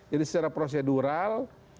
jadi secara prosedural